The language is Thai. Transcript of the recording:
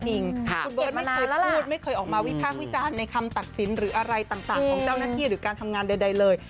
คุณเบิร์ตไม่เคยพูดไม่เคยออกมาวิพากษ์วิจารณ์ในคำตัดสินหรืออะไรต่างของเจ้าหน้าที่หรือการทำงานใดเลย